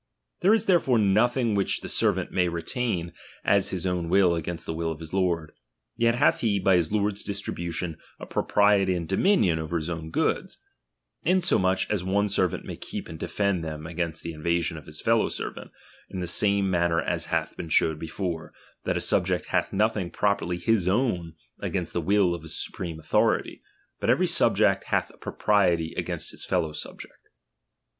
There is therefore nothing which the Servant may retain as his own against the will of liis lord ; yet hath he, by his lord's distribution, a t*ropriety and dominion over his own goods : inso iuch as one servant may keep and defend them ^■gainst the invasion of his fellow servant, in the Same manner as hath been shewed before, that a *5nbject hath nothing properly his own against the "vvili of the supreme authority, but every subject l^ath a propriety against his fellow subject.